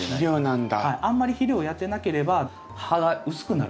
あんまり肥料をやってなければ葉が薄くなる。